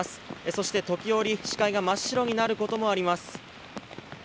そして時折、視界が真っ白になることもあります。